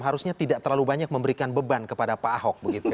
harusnya tidak terlalu banyak memberikan beban kepada pak ahok